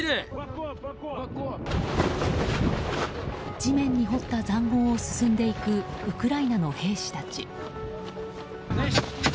地面に掘った塹壕を進んでいくウクライナの兵士たち。